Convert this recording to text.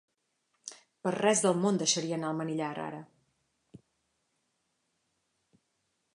Per res del món deixaria anar el manillar, ara.